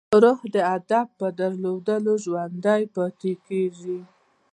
روح د هدف په درلودو ژوندی پاتې کېږي.